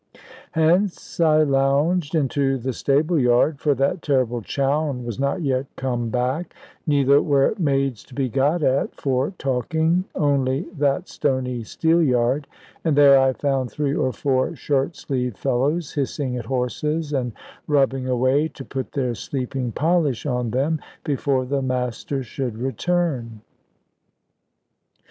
Hence I lounged into the stable yard for that terrible Chowne was not yet come back, neither were maids to be got at for talking, only that stony Steelyard and there I found three or four shirt sleeved fellows, hissing at horses, and rubbing away, to put their sleeping polish on them, before the master should return.